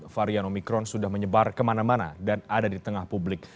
varian omikron sudah menyebar kemana mana dan ada di tengah publik